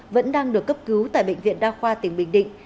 vẫn đang được cấp cứu tại bệnh viện đa khoa tỉnh bình định